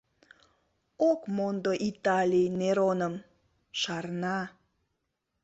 Ок мондо Италий Нероным, шарна…